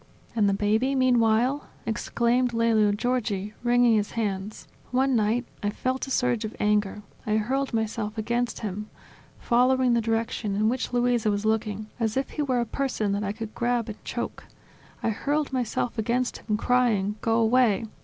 "And the baby, meanwhile?" exclaimed Lelio Giorgi, wringing his hands. "One night I felt a surge of anger; I hurled myself against him, following the direction in which Luisa was looking, as if he were a person that I could grab and choke; I hurled myself against him, crying: "Go away!